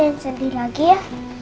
tapi jangan sedih lagi ya